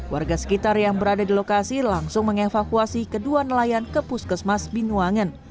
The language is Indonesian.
warga sekitar yang berada di lokasi langsung mengevakuasi kedua nelayan ke puskesmas binuangen